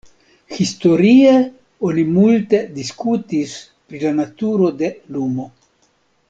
Historie oni multe diskutis pri la naturo de lumo.